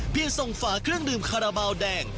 เพียงส่งฝาเครื่องดื่มฮาราเบาแดง